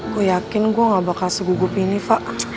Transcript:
gue yakin gue gak bakal segugupin ini fak